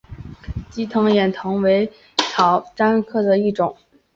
鸡眼藤为茜草科巴戟天属下的一个种。